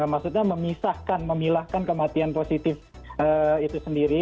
maksudnya memisahkan memilahkan kematian positif itu sendiri